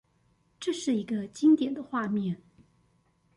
這是一個經典的畫面